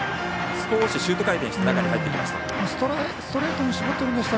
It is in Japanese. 少しシュート回転して中に入ってきました。